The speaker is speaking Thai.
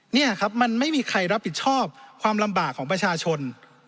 นี่ครับมันไม่มีใครรับผิดชอบความลำบากของประชาชน